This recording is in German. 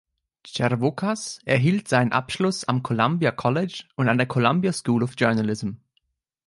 Chervokas erhielt seinen Abschluss am Columbia College und an der Columbia School of Journalism.